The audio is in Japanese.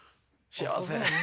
幸せ。